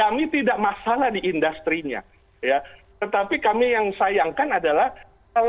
untuk mengutuk dunia peserta dan diberikan keuangan political